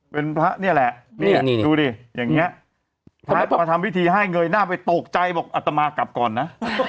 เป็นพระนี่แหละนี่ดูดิอย่างนี้พระมาทำพิธีให้เงยหน้าไปตกใจบอกอัตมากลับก่อนนะ